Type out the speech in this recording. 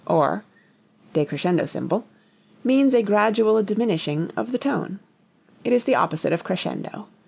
_ or [decrescendo symbol]) means a gradual diminishing of the tone. It is the opposite of crescendo.